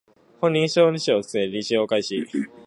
本人認証をして利用開始